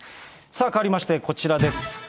変わりましてこちらです。